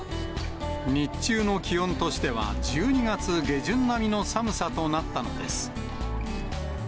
日中の気温としては、１２月下旬並みの寒さとなったのです。